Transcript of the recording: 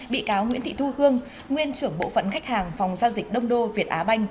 bị cáo nguyễn thị thu hương nguyên trưởng bộ phận khách hàng phòng giao dịch đông đô việt á banh